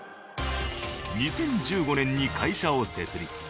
２０１５年に会社を設立。